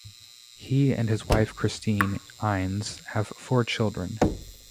He and his wife, Christine Innes, have four children.